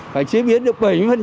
phải chế biến được bảy mươi